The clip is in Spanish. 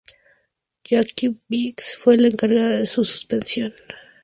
Jacqui Briggs fue la encargada de su supervisión.